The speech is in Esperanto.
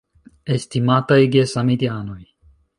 Estimataj gesamideanoj!